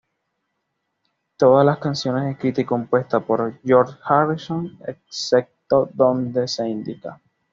Todas las canciones escritas y compuestas por George Harrison excepto donde se indica.